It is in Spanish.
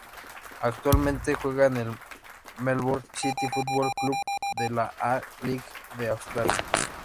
Actualmente juega en el Melbourne City Football Club de la A-League de Australia.